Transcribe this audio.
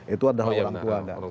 itu adalah orang tua